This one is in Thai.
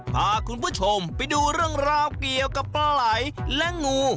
พาคุณผู้ชมไปดูเรื่องราวเกี่ยวกับปลาไหลและงู